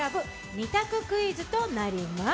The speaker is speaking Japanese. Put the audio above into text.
２択クイズとなります。